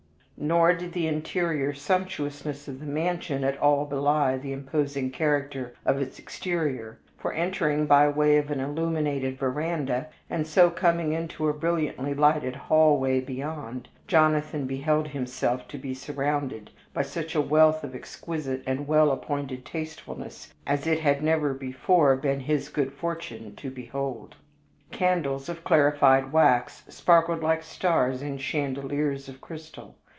Nor did the interior sumptuousness of the mansion at all belie the imposing character of its exterior, for, entering by way of an illuminated veranda, and so coming into a brilliantly lighted hallway beyond, Jonathan beheld himself to be surrounded by such a wealth of exquisite and well appointed tastefulness as it had never before been his good fortune to behold. Candles of clarified wax sparkled like stars in chandeliers of crystal.